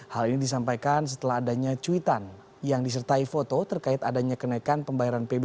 hal ini disampaikan setelah adanya cuitan yang disertai foto terkait adanya kenaikan pembayaran pbb